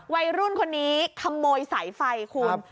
วัยรุ่นคนนี้ขโมยสายไฟคุณ